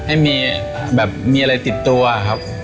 ให้มีอะไรติดตัวครับ